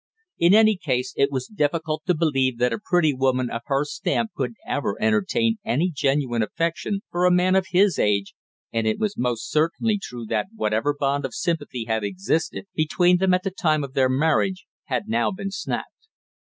In any case it was difficult to believe that a pretty woman of her stamp could ever entertain any genuine affection for a man of his age, and it was most certainly true that whatever bond of sympathy had existed between them at the time of their marriage had now been snapped.